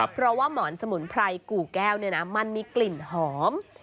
เพราะว่าหมอนสมุนไพรกู่แก้วมันมีกลิ่นหอม